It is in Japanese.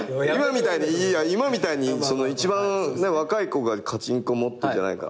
今みたいに一番若い子がカチンコ持ってじゃないから。